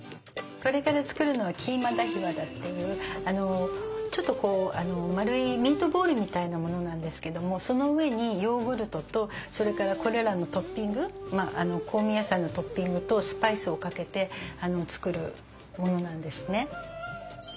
これから作るのは「キーマダヒワダ」っていうちょっと丸いミートボールみたいなものなんですけどもその上にヨーグルトとそれからこれらのトッピング香味野菜のトッピングとスパイスをかけて作るものなんですね。